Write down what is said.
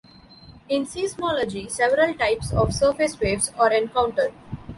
In seismology, several types of surface waves are encountered.